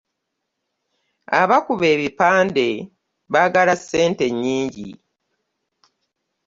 Abakuba ebipande baagala ssente nnyingi.